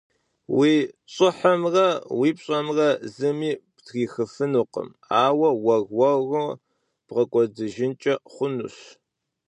Уи щӀыхьымрэ уи пщӀэмрэ зыми птрихыфынукъым, ауэ уэр-уэру бгъэкӀуэдыжынкӀэ хъунущ.